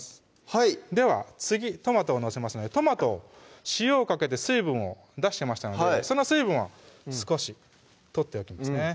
はいでは次トマトを載せますのでトマトを塩をかけて水分を出してましたのでその水分は少し取っておきますね